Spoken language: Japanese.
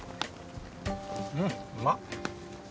うんうまっ。